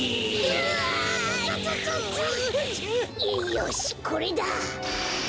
よしこれだ！